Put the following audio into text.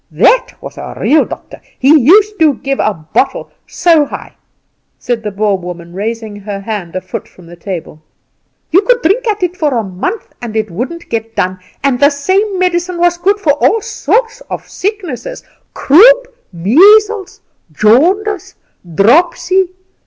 That was a real doctor! He used to give a bottle so high," said the Boer woman, raising her hand a foot from the table, "you could drink at it for a month and it wouldn't get done, and the same medicine was good for all sorts of sicknesses croup, measles, jaundice, dropsy.